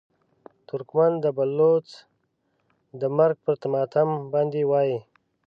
ترکمن د بلوڅ د مرګ پر ماتم باندې وایي.